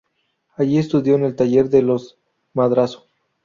Allí estudió en el taller de los Madrazo.